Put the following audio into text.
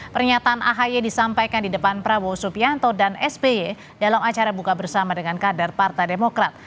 pernyataan ahy disampaikan di depan prabowo subianto dan sby dalam acara buka bersama dengan kader partai demokrat